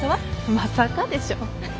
まさかでしょ。